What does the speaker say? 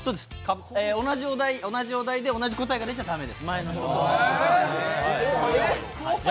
同じお題で同じ答えが出ちゃ駄目です、前の人と。